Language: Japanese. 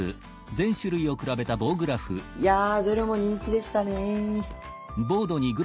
いやどれも人気でしたね。